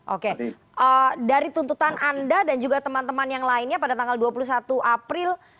oke dari tuntutan anda dan juga teman teman yang lainnya pada tanggal dua puluh satu april